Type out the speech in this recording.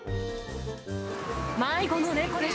迷子の猫です。